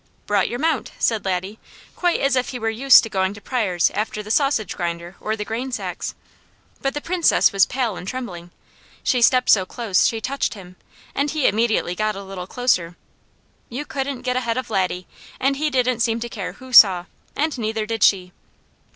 "Brought your mount," said Laddie, quite as if he were used to going to Pryors' after the sausage grinder or the grain sacks. But the Princess was pale and trembling. She stepped so close she touched him, and he immediately got a little closer. You couldn't get ahead of Laddie, and he didn't seem to care who saw, and neither did she.